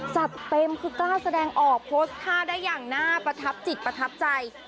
จัดเต็มคือกล้าแสดงออกโพสต์ท่าได้อย่างน่าประทับจิตประทับใจ